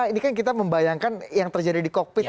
ini kan kita membayangkan yang terjadi di kokpit